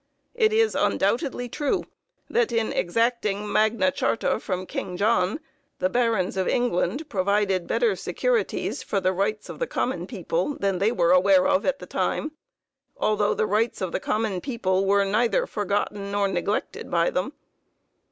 It is undoubtedly true, that in exacting Magna Charta from King John, the Barons of England provided better securities for the rights of the common people than they were aware of at the time, although the rights of the common people were neither forgotten nor neglected by them.